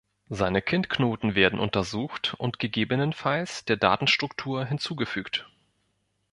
Seine Kindknoten werden untersucht und gegebenenfalls der Datenstruktur hinzugefügt.